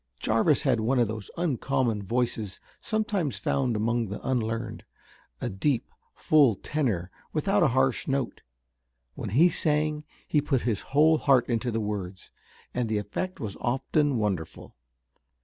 Jarvis had one of those uncommon voices sometimes found among the unlearned, a deep, full tenor without a harsh note. When he sang he put his whole heart into the words, and the effect was often wonderful.